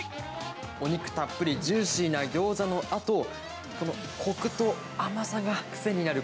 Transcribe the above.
お肉たっぷりジューシーなぎょうざのあと、このこくと甘さが癖になる